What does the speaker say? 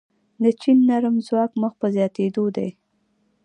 د چین نرم ځواک مخ په زیاتیدو دی.